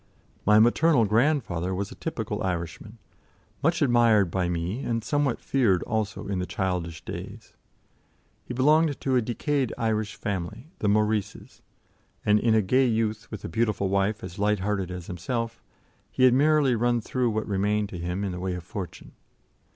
My maternal grandfather was a typical Irishman, much admired by me and somewhat feared also, in the childish days. He belonged to a decayed Irish family, the Maurices, and in a gay youth, with a beautiful wife as light hearted as himself, he had merrily run through what remained to him in the way of fortune.